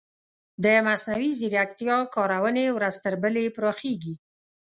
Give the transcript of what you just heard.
د مصنوعي ځیرکتیا کارونې ورځ تر بلې پراخیږي.